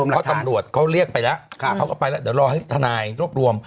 เพราะตำรวจเขาเรียกไปแล้วเขาก็ไปแล้วเดี๋ยวรอให้ทนายรวบรวม